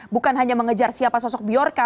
bukan hanya mengejar siapa sosok biorka